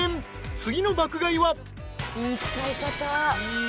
次の爆買いは］